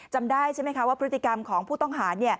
จำได้ใช่ไหมคะว่าพฤติกรรมของผู้ต้องหา